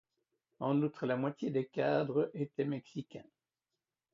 En outre la moitié des cadres étaient Mexicains.